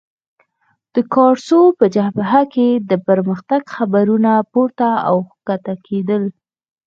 د کارسو په جبهه کې د پرمختګ خبرونه پورته او کښته کېدل.